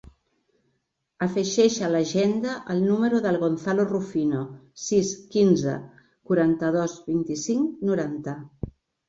Afegeix a l'agenda el número del Gonzalo Rufino: sis, quinze, quaranta-dos, vint-i-cinc, noranta.